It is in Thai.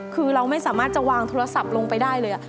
คือเราไม่สามารถจะวางโทรศัพท์ลงไปได้เลย